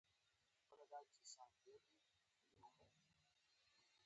فرقې راوزېږېدې.